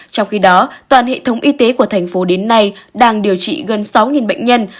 trong khi đó toàn hệ thống y tế của thành phố đến nay đang điều trị gần sáu bệnh nhân